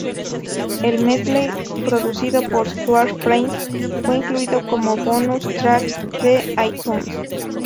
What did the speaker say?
El medley, producido por Stuart Price, fue incluido como bonus track de iTunes.